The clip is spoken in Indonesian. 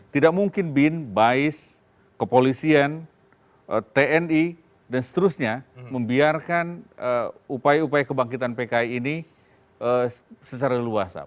tidak mungkin bin bais kepolisian tni dan seterusnya membiarkan upaya upaya kebangkitan pki ini secara leluasa